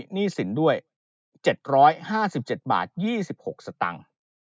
หนี้สินด้วย๗๕๗บาท๒๖สตังค์